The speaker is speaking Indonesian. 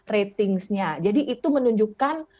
ratingsnya jadi itu menunjukkan